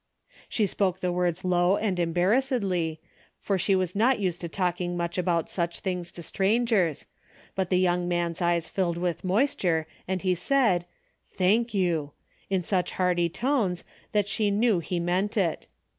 She spoke the words low and embarrassed ly, for she was not used to talking much about such things to strangers, but the young man's eyes filled with moisture, and he said, " Thank you," in such hearty tones that she knew he meant it.